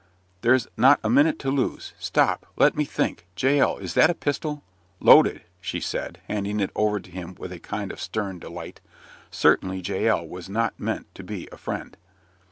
"There's not a minute to lose stop let me think Jael, is that a pistol?" "Loaded," she said, handing it over to him with a kind of stern delight. Certainly, Jael was not meant to be a Friend.